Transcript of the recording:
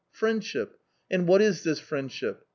Friendship ! And what is this friendship?